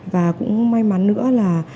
và cũng may mắn nữa là